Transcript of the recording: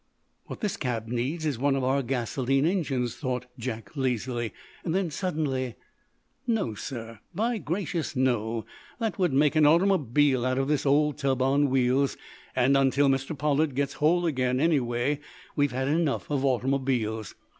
"What this cab needs is one of our gasoline engines," thought Jack, lazily. Then, suddenly: "No, sir! By gracious, no! That would make an automobile out of this old tub on wheels, and, until Mr. Pollard gets whole again, anyway, we've had enough of automobiles.